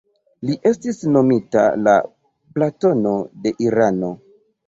Li estis nomita «la Platono de Irano».